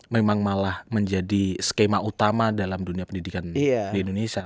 memang malah menjadi skema utama dalam dunia pendidikan di indonesia